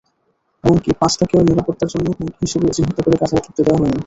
এমনকি পাস্তাকেও নিরাপত্তার জন্য হুমকি হিসেবে চিহ্নিত করে গাজায় ঢুকতে দেওয়া হয়নি।